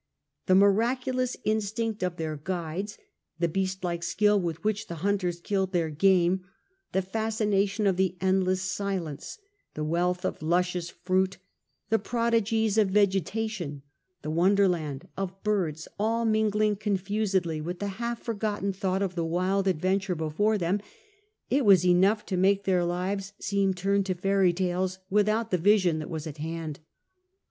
The miraculous instinct of their guides, the beast like skill with which the hunters killed their game, the fascina tion of the endless silence, the wealth of luscious fruit, the prodigies of vegetation, the wonderland of birds, all mingling confusedly with the half forgotten thought of the wild adventure before them — it was enough to make their lives seem turned to fairy tales, without the vision that was at hand.